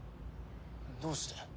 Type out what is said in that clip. どうして？